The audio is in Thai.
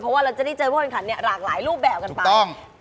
เพราะว่าเราจะได้เจอผู้แข่งขันหลากหลายรูปแบบกันไป